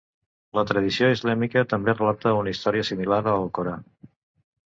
La tradició islàmica també relata una història similar en l'Alcorà.